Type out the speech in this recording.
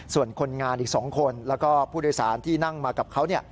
ส่วนคนงานอีก๒คนแล้วก็ผู้โดยสารที่นั่งมากับเขา